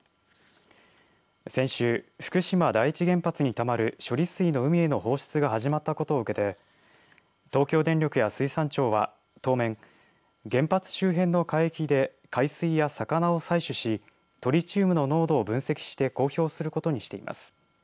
先週、福島第一原発にたまる処理水の海への放出が始まったことを受けて東京電力や水産庁は当面、原発周辺の海域で海水や魚を採取しトリチウムの濃度を分析して公表することにしています。